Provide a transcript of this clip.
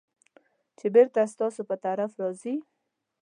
چې بېرته ستاسو په طرف راګرځي .